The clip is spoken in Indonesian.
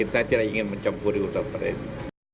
saya tidak ingin mencampuri utama utama